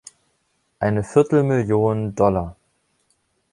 Eine viertel Million Dollar.